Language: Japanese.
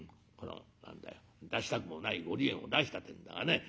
何だよ出したくもないご離縁を出したってえんだがね。